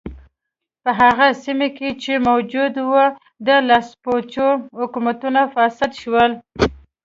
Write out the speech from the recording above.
په هغو سیمو کې چې موجود و د لاسپوڅو حکومتونو فاسد شول.